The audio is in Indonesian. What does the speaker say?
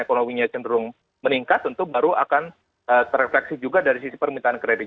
ekonominya cenderung meningkat tentu baru akan terefleksi juga dari sisi permintaan kredit